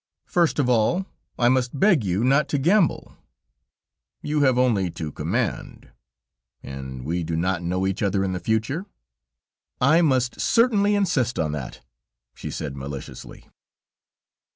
"First of all, I must beg you not to gamble." "You have only to command; and we do not know each other in future?" "I must certainly insist on that," she said maliciously.